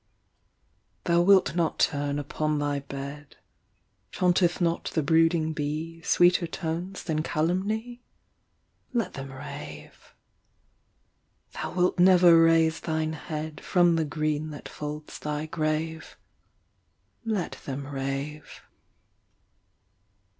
3 Thou wilt not turn upon thy bed; Chaunteth not the brooding bee Sweeter tones than calumny? Let them rave. Thou wilt never raise thine head From the green that folds thy grave. Let them rave.